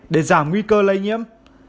để giảm nguy cơ lây nhiễm